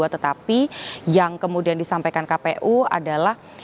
tetapi yang kemudian disampaikan kpu adalah